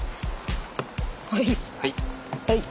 はい。